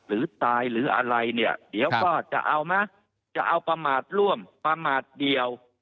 หรือตายหรืออะไรเนี่ยเดี๋ยวก็จะเอาไหมจะเอาประมาทร่วมประมาทเดียว